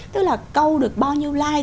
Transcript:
tức là câu được bao nhiêu like